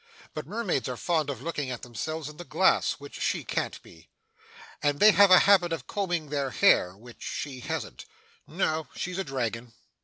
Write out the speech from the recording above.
But mermaids are fond of looking at themselves in the glass, which she can't be. And they have a habit of combing their hair, which she hasn't. No, she's a dragon.